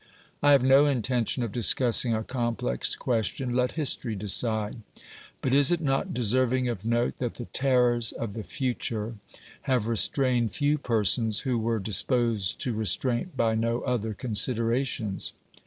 I have no intention of discussing a complex question : let history decide ! But is it not deserving of note that 170 OBERMANN the terrors of the future have restrained few persons who were disposed to restraint by no other considerations